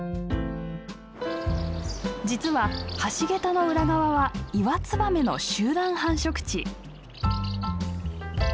実は橋桁の裏側はイワツバメの集団繁殖地。